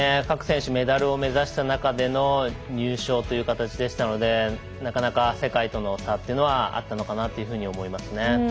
各選手メダルを目指した中での入賞という形でしたのでなかなか世界との差というのはあったのかなと思いますね。